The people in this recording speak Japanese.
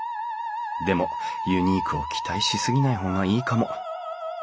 でもユニークを期待し過ぎない方がいいかも。